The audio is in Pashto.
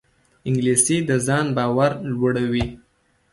انګلیسي د ځان باور لوړوي